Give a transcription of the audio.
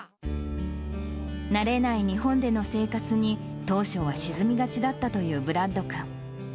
慣れない日本での生活に、当初は沈みがちだったというブラッド君。